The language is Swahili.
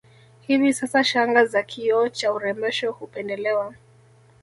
Hivi sasa shanga za kioo cha urembesho hupendelewa